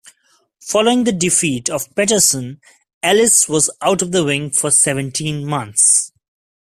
Following the defeat of Patterson, Ellis was out of the ring for seventeen months.